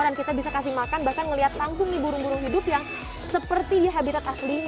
dan kita bisa kasih makan bahkan ngelihat langsung nih burung burung hidup yang seperti habitat aslinya